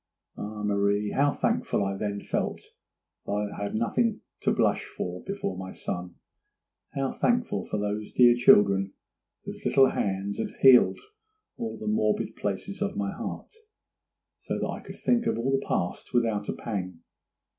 Ah, Marie, how thankful I then felt that I had nothing to blush for before my son! how thankful for those dear children whose little hands had healed all the morbid places of my heart, so that I could think of all the past without a pang!